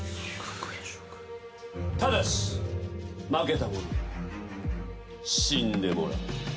ただし負けた者には死んでもらう。